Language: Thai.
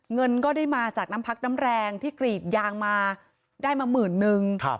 เงินก็ได้มาจากน้ำพักน้ำแรงที่กรีดยางมาได้มาหมื่นนึง